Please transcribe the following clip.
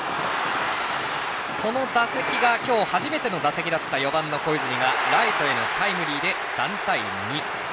この打席が今日初めての打席だった４番の小泉がライトへのタイムリーで３対２。